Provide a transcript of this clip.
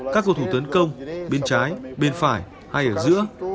các cầu thủ tấn công bên trái bên phải hay ở giữa